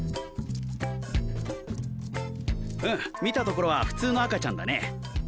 うん診たところは普通の赤ちゃんだね。